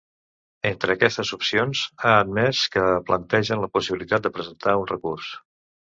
Entre aquestes opcions, ha admès que plantegen la possibilitat de presentar un recurs.